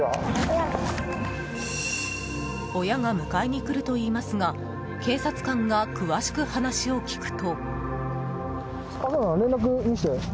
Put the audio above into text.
親が迎えに来るといいますが警察官が詳しく話を聞くと。